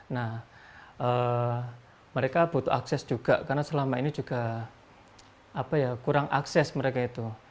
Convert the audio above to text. nah mereka butuh akses juga karena selama ini juga kurang akses mereka itu